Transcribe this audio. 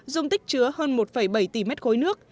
dung tích chứa hơn một bảy tỷ mét khối nước